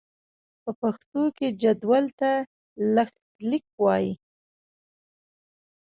په پښتو کې جدول ته لښتليک وايي.